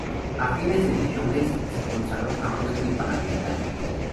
A fines de dicho mes se consagró campeón del Panamericano.